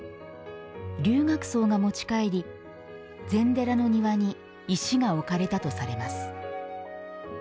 留学僧が持ち帰り禅寺の庭に石が置かれたとされます。